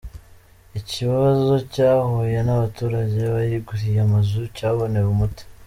Ikibazo cya huye n’abaturage bayiguriye amazu cyabonewe umuti